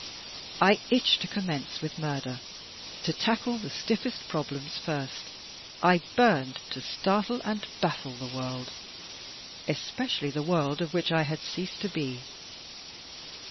I itched to commence with murder — to tackle the stiffest problems first, and I burned to startle and baffle the world — especially the world of which I had ceased to be.